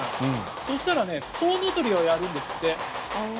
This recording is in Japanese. そうしたら、コウノトリはやるんですって。